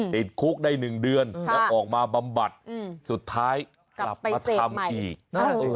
ติดคุกได้๑เดือนแล้วออกมาบำบัดสุดท้ายกลับมาทำอีก